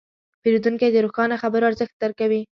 پیرودونکی د روښانه خبرو ارزښت درک کوي.